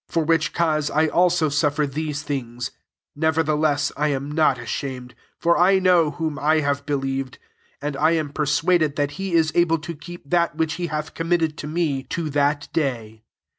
12 For which cause I ilso suffer these things : never beless I am not ashamed : for [ know whom I have believed, ind I am persuaded that he s able to keep that which he lath committed ta me,* to that lay.